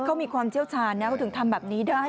เขามีความเจริญก็ถึงทำแบบนี้ได้